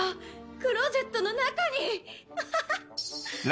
クローゼットの中に」